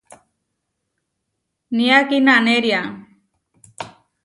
Nía kínanéria.